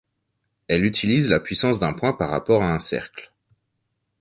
Elle utilise la puissance d'un point par rapport à un cercle.